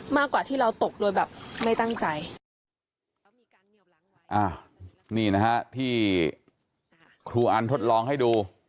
มากกว่าที่เราตกโดยแบบไม่ตั้งใจนี่นะฮะที่ครูอันทดลองให้ดู